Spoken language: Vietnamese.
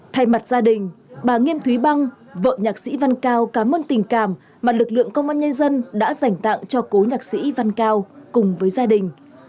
thay mặt gia đình bà nghiêm thúy băng vợ nhạc sĩ văn cao cảm ơn tình cảm mà lực lượng công an nhân dân đã dành tặng cho cố nhạc sĩ văn cao cùng với gia đình